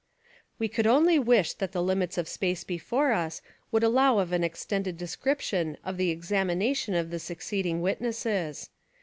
We could only wish that the limits of space before us would allow of an extended descrip tion of the examination of the succeeding wit 225 Essays and Literary Studies nesses.